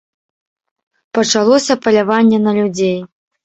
Пачалося паляванне на людзей.